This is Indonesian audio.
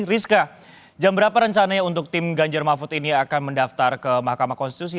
rizka jam berapa rencananya untuk tim ganjar mahfud ini akan mendaftar ke mahkamah konstitusi